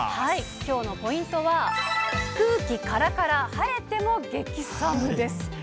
きょうのポイントは、空気からから晴れても激寒です。